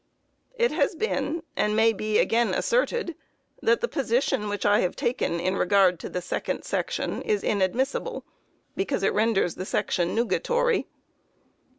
It has been, and may be again asserted, that the position which I have taken in regard to the second section is inadmissible, because it renders the section nugatory.